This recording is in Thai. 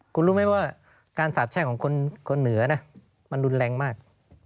คุณรู้ไหมว่าการสาบแช่งของคนเหนือนะมันรุนแรงมาก